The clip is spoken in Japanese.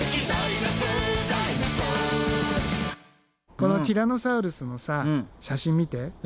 このティラノサウルスのさ写真見て。